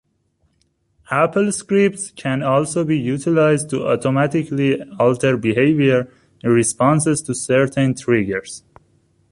AppleScripts can also be utilized to automatically alter behavior in responses to certain triggers.